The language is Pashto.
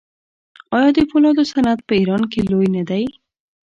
آیا د فولادو صنعت په ایران کې لوی نه دی؟